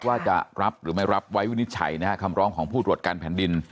ว่าจะรับหรือไม่รับไว้วินิจฉัยนะฮะคำร้องของผู้ตรวจการแผ่นดิน